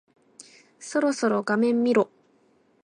そろそろ画面見ろ。